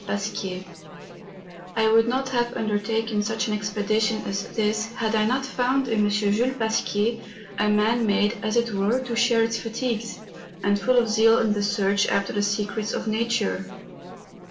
PASQUIER. I WOULD not have undertaken such an expedition as this had I not found in M. Jules Pasquier a man made, as it were, to share its fatigues, and full of zeal in the search after the secrets of nature.